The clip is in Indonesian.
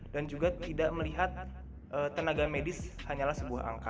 dan juga tidak melihat tenaga medis hanyalah sebuah angka